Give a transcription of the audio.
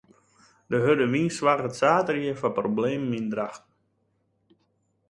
De hurde wyn soarge saterdei foar problemen yn Drachten.